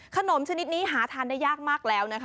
ชนิดนี้หาทานได้ยากมากแล้วนะคะ